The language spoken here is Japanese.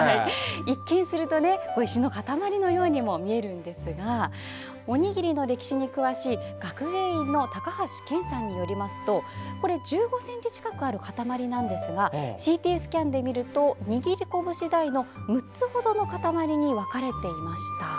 一見すると石の塊のようにも見えますけれどおにぎりの歴史に詳しい学芸員の高橋健さんによりますと１５ｃｍ近くある塊なんですがＣＴスキャンで見ると握りこぶし大の６つほどの塊に分かれていました。